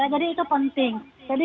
jadi itu penting